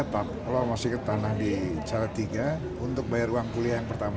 kalau masih ketandang di calon tiga untuk bayar uang kuliah yang pertama